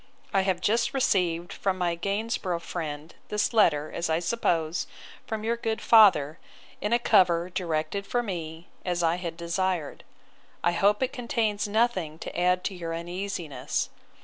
I have just received, from my Gainsborough friend, this letter, as I suppose, from your good father, in a cover, directed for me, as I had desired. I hope it contains nothing to add to your uneasiness.